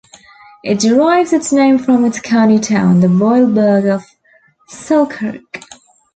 It derives its name from its county town, the Royal burgh of Selkirk.